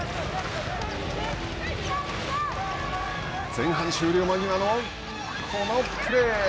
前半終了間際のこのプレー。